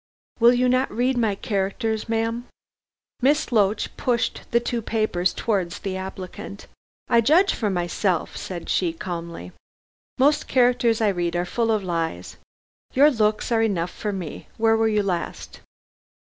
"Will you not read my characters, ma'am?" Miss Loach pushed the two papers towards the applicant. "I judge for myself," said she calmly. "Most characters I read are full of lies. Your looks are enough for me. Where were you last?"